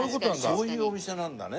そういうお店なんだね。